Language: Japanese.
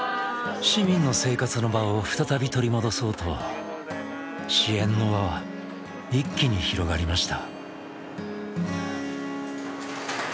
市民の生活の場を再び取り戻そうと支援の輪は一気に広がりました。